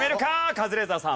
カズレーザーさん